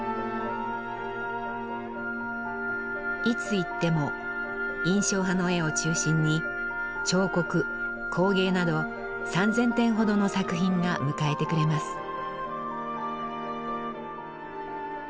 いつ行っても印象派の絵を中心に彫刻工芸など３，０００点ほどの作品が迎えてくれます。